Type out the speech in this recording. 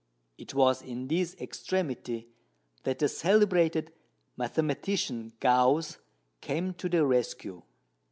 It was in this extremity that the celebrated mathematician Gauss came to the rescue.